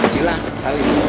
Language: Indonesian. salim sayang kenalan belum sayang